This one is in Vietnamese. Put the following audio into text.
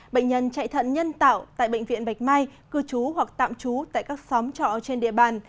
bệnh nhân chạy thận nhân tạo tại bệnh viện bạch mai cư trú hoặc tạm trú tại các xóm trọ trên địa bàn